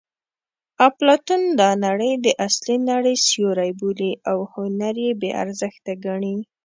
اپلاتون دا نړۍ د اصلي نړۍ سیوری بولي او هنر یې بې ارزښته ګڼي